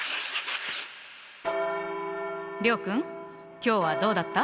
諒君今日はどうだった？